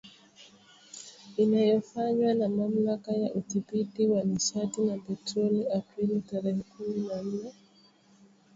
Inayofanywa na Mamlaka ya Udhibiti wa Nishati na Petroli Aprili tarehe kumi na nne.